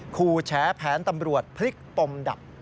คู่แฉแผนตำรวจพลิกปมดับ